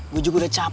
gue juga udah capai lo